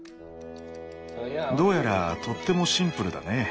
どうやらとってもシンプルだね。